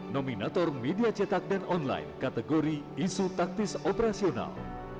nominator media cetak dan online kategori isu taktis operasional